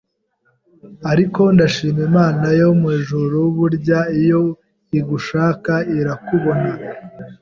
ariko ndashima Imana yo mu ijuru burya iyo igushaka irakubona